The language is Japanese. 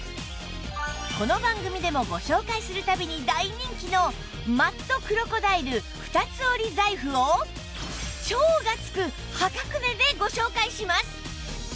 この番組でもご紹介する度に大人気のマットクロコダイル二つ折り財布を「超」が付く破格値でご紹介します